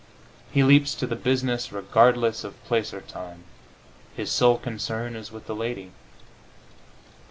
He leaps to the business regardless of place or time; his sole concern is with the lady.